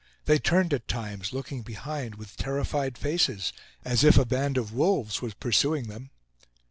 They turned at times, looking behind with terrified faces, as if a band of wolves was pursuing them.